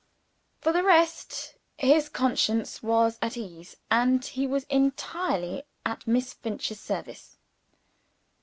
For the rest, his conscience was at ease; and he was entirely at Miss Finch's service.